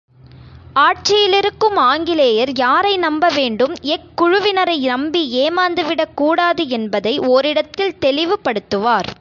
ஆட்சியிலிருக்கும் ஆங்கிலேயர் யாரை நம்ப வேண்டும், எக்குழுவினரை நம்பி ஏமாந்துவிடக் கூடாது என்பதை ஒரிடத்தில் தெளிவுபடுத்துவார்.